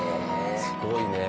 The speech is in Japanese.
すごいねえ。